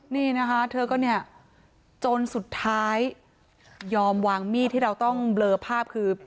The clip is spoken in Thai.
นี่นะคะเธอก็เนี่ยจนสุดท้ายยอมวางมีดที่เราต้องเบลอภาพคือ